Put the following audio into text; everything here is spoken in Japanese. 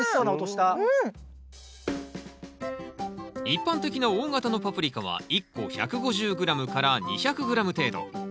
一般的な大型のパプリカは一個１５０ｇ２００ｇ程度。